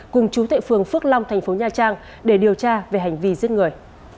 cùng chú tệ phường phước long thành phố nha trang để điều tra về hành vi giết người